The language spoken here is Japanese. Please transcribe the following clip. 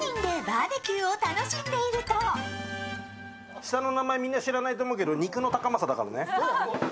下の名前、みんな知らないと思うけど、肉のタカマサだからね。